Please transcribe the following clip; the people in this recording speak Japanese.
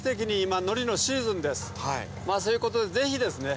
そういうことでぜひですね